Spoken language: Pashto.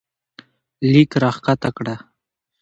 لیک راښکته کړه